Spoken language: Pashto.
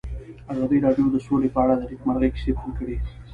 ازادي راډیو د سوله په اړه د نېکمرغۍ کیسې بیان کړې.